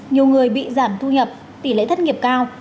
nhiều người bị giảm thu nhập tỷ lệ thất nghiệp cao